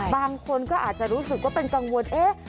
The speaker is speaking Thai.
บางคนก็อาจจะรู้สึกว่าเป็นกังวลเอ๊ะ